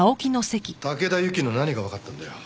竹田ユキの何がわかったんだよ。